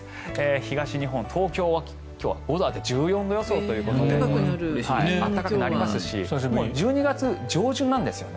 東日本、東京は５度上がって１４度予想ということで暖かくなりますし１２月上旬なんですよね。